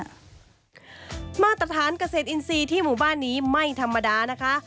มาตรฐานเกษตรอินทรีย์ที่หมู่บ้านนี้ไม่ธรรมดานะคะ